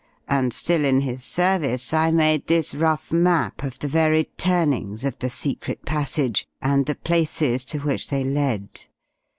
And still in his service I made this rough map of the varied turnings of the secret passage, and the places to which they led.